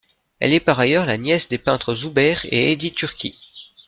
Elle est par ailleurs la nièce des peintres Zoubeir et Hédi Turki.